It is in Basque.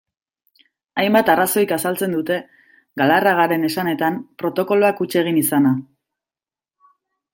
Hainbat arrazoik azaltzen dute, Galarragaren esanetan, protokoloak huts egin izana.